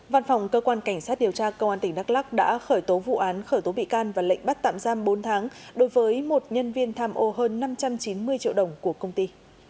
văn phòng cơ quan cảnh sát điều tra công an tỉnh đắk lắc đã khởi tố vụ án khởi tố bị can và lệnh bắt tạm giam bốn tháng đối với một nhân viên tham ô hơn năm trăm chín mươi triệu đồng của công ty